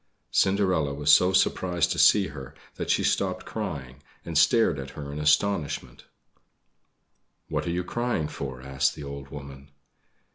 Cinderella was so surprised to see her that she stopped crying, and stared at her in astonishment. "What are you crying for?" asked the old woman.